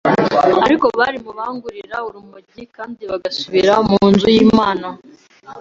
ariko bari mu banguriraga urumogi kandi bagasubira mu nzu y’Imana